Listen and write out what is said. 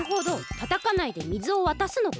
たたかないで水を渡すのか。